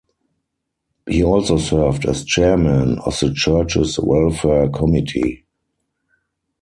He also served as chairman of the church's Welfare Committee.